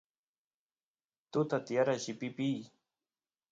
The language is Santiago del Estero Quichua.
tuta tiyara llipipiy